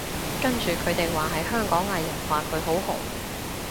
跟住佢哋話係香港藝人，話佢好紅